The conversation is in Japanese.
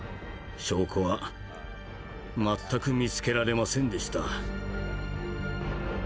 証拠は全く見つけられませんでした。